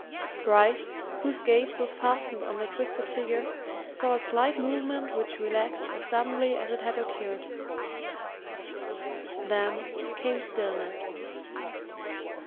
Bryce, whose gaze was fastened on the twisted figure, saw a slight movement which relaxed as suddenly as it had occurred. Then came stillness.